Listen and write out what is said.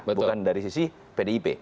bukan dari sisi pdip